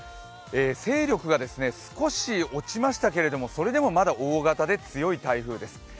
勢力が少し落ちましたけれども、それでもまだ大型で強い台風です。